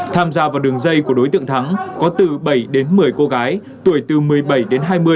tham gia vào đường dây của đối tượng thắng có từ bảy đến một mươi cô gái tuổi từ một mươi bảy đến hai mươi